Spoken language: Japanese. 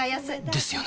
ですよね